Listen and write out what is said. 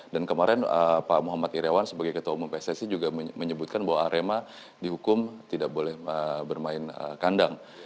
dan kemarin pak muhammad irewan sebagai ketua umum pssi juga menyebutkan bahwa arema dihukum tidak boleh bermain kandang